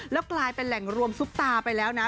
แล้วกลายเป็นแหล่งรวมซุปตาไปแล้วนะ